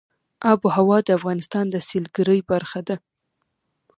آب وهوا د افغانستان د سیلګرۍ برخه ده.